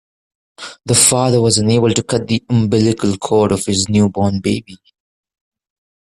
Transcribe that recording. The father was unable to cut the umbilical cord of his newborn baby.